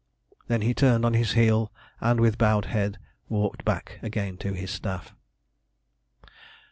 Then he turned on his heel, and with bowed head walked back again to his Staff.